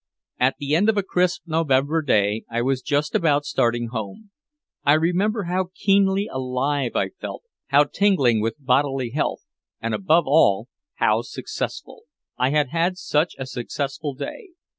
At the end of a crisp November day I was just about starting home. I remember how keenly alive I felt, how tingling with bodily health, and above all how successful. I had had such a successful day.